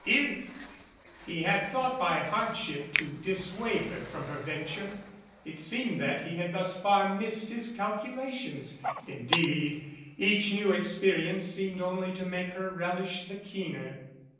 If he had thought by hardship to dissuade her from her venture, it seemed that he had thus far missed his calcula tions. Indeed, each new experience seemed only to make her relish the keener.